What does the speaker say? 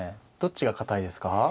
どっちが堅いですか。